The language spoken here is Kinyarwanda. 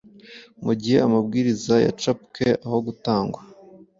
mugihe amabwiriza yacapwe aho gutangwa